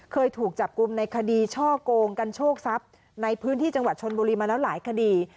เคยถูกจับกลุ่มในคดีช่อกงกันโชคทรัพย์ในพื้นที่จังหวัดชนบุรีมาแล้วหลายคดี